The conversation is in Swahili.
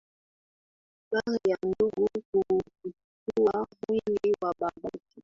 bari ya ndugu kuufukua mwili wa babake